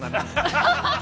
ハハハハ！